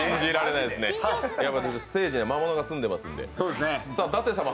ステージには魔物が住んでますので。